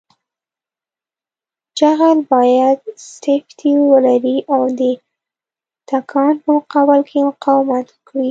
جغل باید سفتي ولري او د تکان په مقابل کې مقاومت وکړي